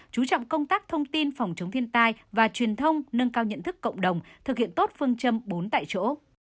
chú trọng công tác thông tin phòng chống thiên tai và truyền thông nâng cao nhận thức cộng đồng thực hiện tốt phương châm bốn tại chỗ